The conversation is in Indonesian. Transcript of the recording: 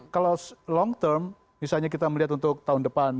kalau long term misalnya kita melihat untuk tahun depan